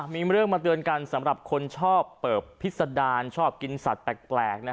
มีเรื่องมาเตือนกันสำหรับคนชอบเปิบพิษดารชอบกินสัตว์แปลก